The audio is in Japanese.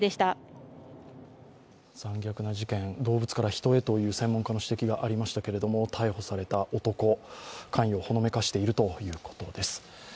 残虐な事件、動物から人へという専門家の指摘がありましたけれども、逮捕された男、関与をほのめかしているということです。